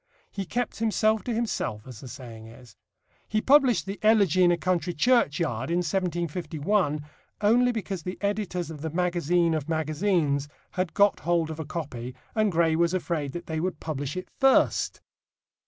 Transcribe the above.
He kept himself to himself, as the saying is. He published the Elegy in a Country Churchyard in 1751 only because the editors of the Magazine of Magazines had got hold of a copy and Gray was afraid that they would publish it first.